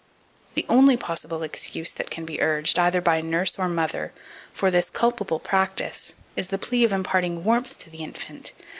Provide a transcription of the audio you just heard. The only possible excuse that can be urged, either by nurse or mother, for this culpable practice, is the plea of imparting warmth to the infant.